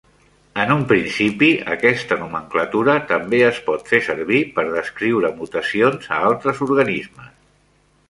En un principi, aquesta nomenclatura també es pot fer servir per descriure mutacions a altres organismes.